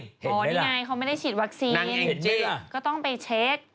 นี่ไงเขาไม่ได้ฉีดวัคซีนก็ต้องไปเช็ค